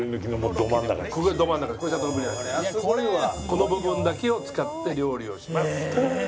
この部分だけを使って料理をします。